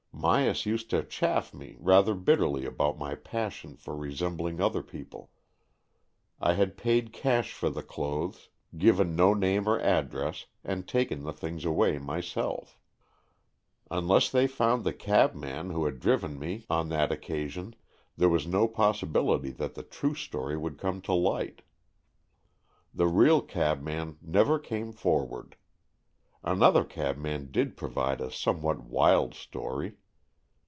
Myas used to chaff me rather bitterly about my passion for resembling other people. I had paid cash for the clothes, given no name or address, and taken the things away myself. Unless they found the cabman who had driven me on that occa 212 AN EXCHANGE OF SOULS sion, there was no possibility that the true story would come to light. The real cabman never came forward. Another cabman did provide a somewhat wild story.